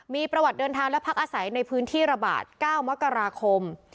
มีประวัติเดินทางและพักอาศัยในพื้นที่ระบาด๙มกราคม